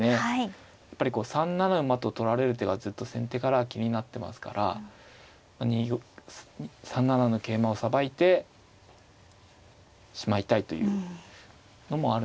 やっぱり３七馬と取られる手がずっと先手から気になってますから３七の桂馬をさばいてしまいたいというのもあるのでちょっとどちらにしようかなと